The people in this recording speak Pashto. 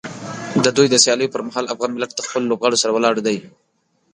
د دوی د سیالیو پر مهال افغان ملت د خپلو لوبغاړو سره ولاړ دی.